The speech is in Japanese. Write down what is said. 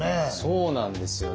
そうなんですよね。